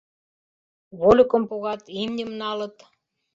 Вольыкым погат, имньым налыт.